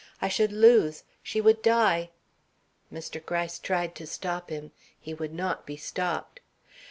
I should lose she would die " Mr. Gryce tried to stop him; he would not be stopped.